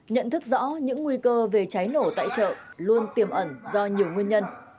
nhận thức rõ những nguy cơ về cháy nổ tại chợ luôn tiềm ẩn do nhiều nguyên nhân